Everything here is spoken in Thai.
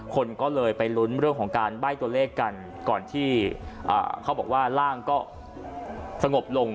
คนก็เลยไปลุ้นเรื่องของการใบ้ตัวเลขกันก่อนที่เขาบอกว่าร่างก็สงบลง